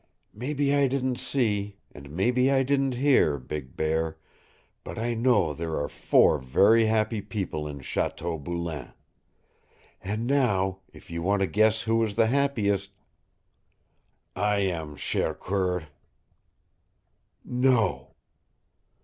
"Maybe I didn't see, and maybe I didn't hear, Big Bear but I know there are four very happy people in Chateau Boulain. And now, if you want to guess who is the happiest " "I am, chere coeur." "No."